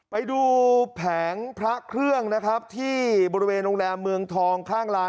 แผงพระเครื่องนะครับที่บริเวณโรงแรมเมืองทองข้างลาน